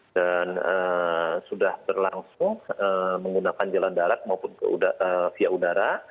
dan sudah berlangsung menggunakan jalan darat maupun via udara